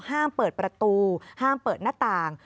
ห้ามเปิดประตูห้ามเปิดหน้าต่าง